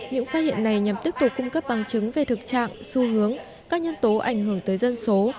những phát hiện này nhằm tiếp tục cung cấp bằng chứng về thực trạng xu hướng các nhân tố ảnh hưởng tới dân số